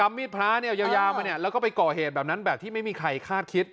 มีดพระเนี่ยยาวมาเนี่ยแล้วก็ไปก่อเหตุแบบนั้นแบบที่ไม่มีใครคาดคิด